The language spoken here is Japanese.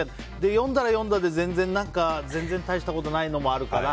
読んだら読んだで、全然大したことないやつもあるから。